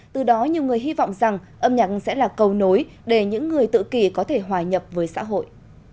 từ đó nhiều người hy vọng rằng âm nhạc sẽ là cầu nối để những người tự kỷ có thể hòa nhập với xã hội